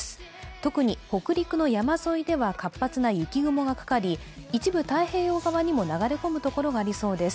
特に北陸の山沿いでは活発な雪雲がかかり、一部、太平洋側にも流れ込む所がありそうです。